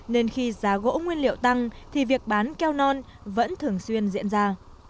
nên khi giá gỗ nguyên liệu tăng thì việc bán keo non vẫn thường xuyên diễn ra